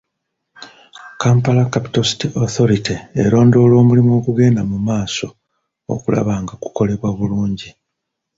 Kampala Capital City Authority erondoola omulimu ogugenda mu maaso okulaba nga gukolebwa bulungi.